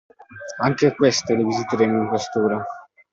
Anche queste le visiteremo in Questura.